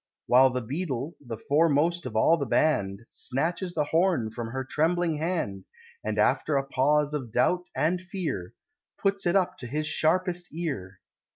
While the Beadle the foremost of all the band, Snatches the Horn from her trembling hand And after a pause of doubt and fear, Puts it up to his sharpest ear.